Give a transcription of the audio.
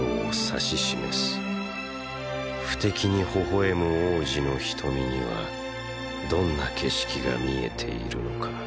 不敵にほほ笑む王子の瞳にはどんな景色が見えているのか。